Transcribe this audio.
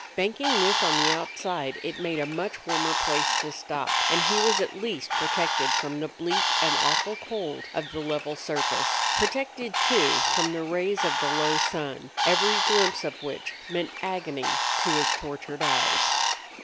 Banking this on the outside it made a much warmer place to stop; and he was at least protected from the bleak and awful cold of the level surface; protected, too, from the rays of the low sun, every glimpse of which meant agony to his tortured eyes.